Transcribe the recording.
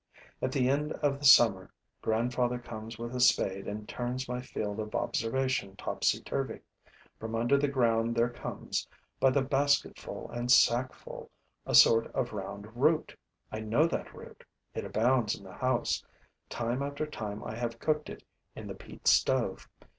At the end of the summer, grandfather comes with a spade and turns my field of observation topsy turvy. From under ground there comes, by the basketful and sackful, a sort of round root. I know that root; it abounds in the house; time after time I have cooked it in the peat stove.